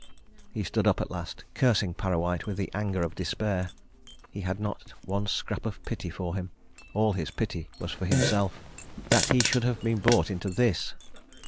He stood up at last, cursing Parrawhite with the anger of despair. He had not one scrap of pity for him. All his pity was for himself. That he should have been brought into this!